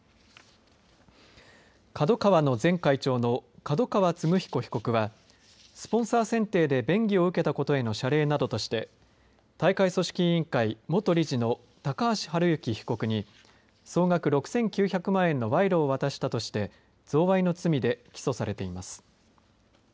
ＫＡＤＯＫＡＷＡの前会長の角川歴彦被告はスポンサー選定で便宜を受けたことへの謝礼などとして大会組織委員会元理事の高橋治之被告に総額６９００万円の賄賂を渡したとして贈賄の罪で起訴されています。